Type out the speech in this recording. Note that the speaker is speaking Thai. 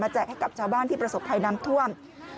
แจกให้กับชาวบ้านที่ประสบภัยน้ำท่วม